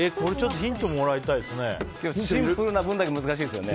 ヒントもらいたいですね。